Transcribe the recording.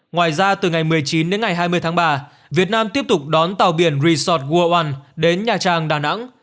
ngoài ra từ ngày một mươi chín đến ngày hai mươi tháng ba việt nam tiếp tục đón tàu biển resort world one đến nhà trang đà nẵng